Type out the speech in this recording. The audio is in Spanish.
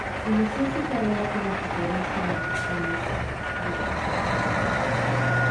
Inició su carrera como futbolista en Argentinos Juniors.